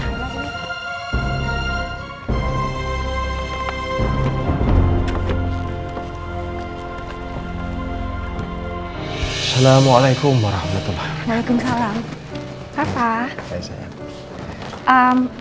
assalamualaikum warahmatullah waalaikumsalam papa